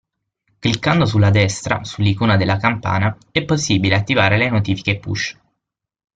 Cliccando sulla destra, sull'icona della campana, è possibile attivare le notifiche push.